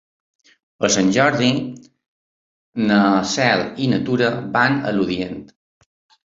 Per Sant Jordi na Cel i na Tura van a Lludient.